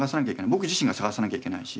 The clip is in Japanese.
僕自身が探さないといけないし。